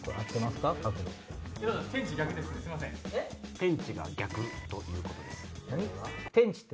天地が逆ということです。